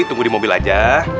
tunggu di mobil aja